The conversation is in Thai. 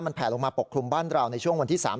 แผลลงมาปกคลุมบ้านเราในช่วงวันที่๓